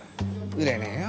売れねぇよ